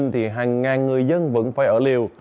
thì hàng ngàn người dân vẫn phải ở liều